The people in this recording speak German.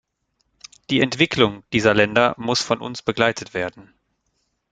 Die Entwicklung dieser Länder muss von uns begleitet werden.